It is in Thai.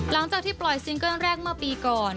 หลังจากที่ปล่อยซิงเกิ้ลแรกเมื่อปีก่อน